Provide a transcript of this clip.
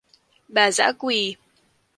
Bà dã Quỳ